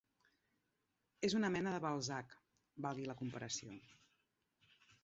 És una mena de Balzac, valgui la comparació.